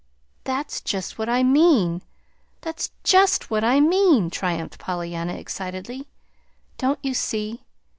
"That's just what I mean that's just what I mean!" triumphed Pollyanna, excitedly. "Don't you see?